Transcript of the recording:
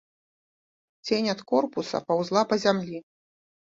Цень ад корпуса паўзла па зямлі.